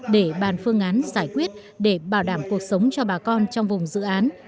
để bàn phương án giải quyết để bảo đảm cuộc sống cho bà con trong vùng dự án